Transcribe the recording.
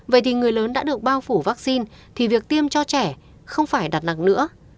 vậy thì người lớn đã được bao phủ vaccine thì việc tiêm cho trẻ không phải đặt nặng nữa